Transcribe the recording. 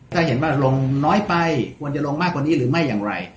ถ้าเห็นว่าลงน้อยไปควรจะลงมากกว่านี้หรือไม่อย่างไร